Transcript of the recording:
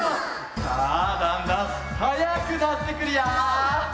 さあだんだんはやくなってくるよ！